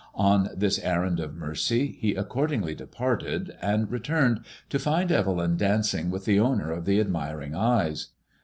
On this errand of mercy he accordingly departed, and re turned to find Evelyn dancing with the owner of the admiring eyes.